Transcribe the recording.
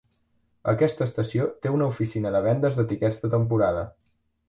Aquesta estació té una oficina de vendes de tiquets de temporada.